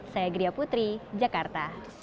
saya gria putri jakarta